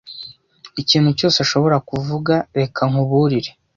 Ikintu cyose ashobora kuvuga. Reka nkuburire,